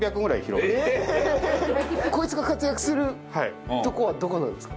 こいつが活躍するとこはどこなんですか？